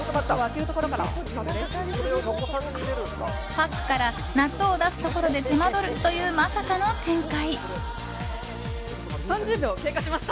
パックから納豆を出すところで手間取るという、まさかの展開。